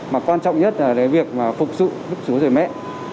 mà quan trọng nhất là cái việc mà phục dụng đức chúa trời mẹ